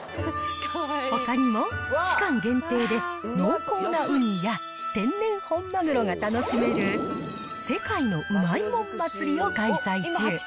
ほかにも、期間限定で濃厚なうにや、天然本まぐろが楽しめる、世界のうまいもん祭を開催中。